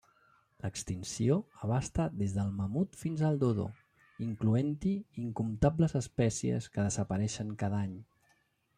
L'extinció abasta des del mamut fins al dodo, incloent-hi incomptables espècies que desapareixen cada any.